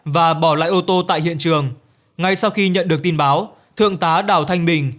và bỏ lại ô tô tại hiện trường ngay sau khi nhận được tin báo thượng tá đào thanh bình